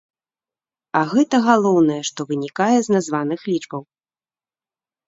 А гэта галоўнае, што вынікае з названых лічбаў.